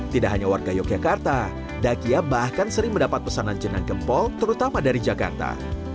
tidak hanya warga yogyakarta dakia bahkan sering mendapat pesanan jenang gempol terutama dari jakarta